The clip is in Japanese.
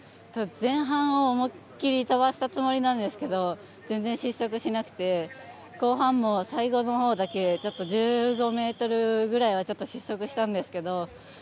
前半思い切り飛ばしたつもりなんですけど全然失速しなくて後半も最後のほうだけちょっと１５ｍぐらいはちょっと失速したんですけど。